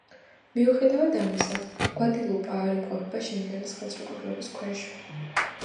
მიუხედავად ამისა, გვადელუპა არ იმყოფება შენგენის ხელშეკრულების ქვეშ.